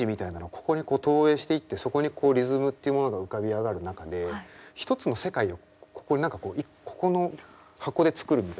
ここに投影していってそこにこうリズムっていうものが浮かび上がる中で一つの世界を何かここの箱で作るみたいな。